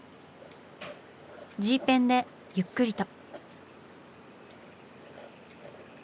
Ｇペンでゆっくりと。